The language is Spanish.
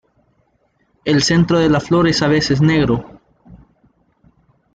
El centro de la flor es a veces negro.